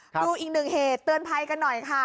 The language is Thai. ดูอีกหนึ่งเหตุเตือนภัยกันหน่อยค่ะ